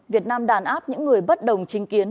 việt nam đàn áp những người bất đồng trinh kiến